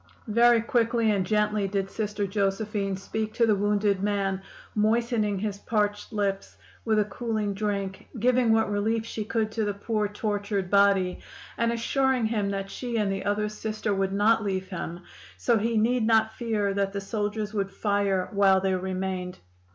"Very quickly and gently did Sister Josephine speak to the wounded man, moistening his parched lips with a cooling drink, giving what relief she could to the poor, tortured body, and assuring him that she and the other Sister would not leave him; so he need not fear that the soldiers would fire while they remained.